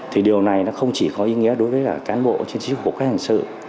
thì điều này không chỉ có ý nghĩa đối với cán bộ trên chiếc hộ khách hình sự